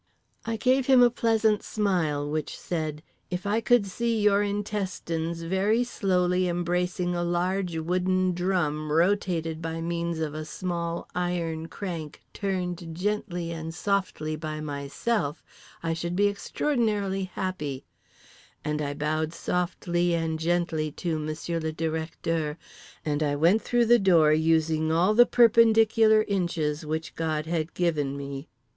I gave him a pleasant smile, which said, If I could see your intestines very slowly embracing a large wooden drum rotated by means of a small iron crank turned gently and softly by myself, I should be extraordinarily happy—and I bowed softly and gently to Monsieur le Directeur, and I went through the door using all the perpendicular inches which God had given me.